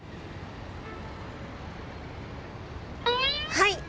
はい！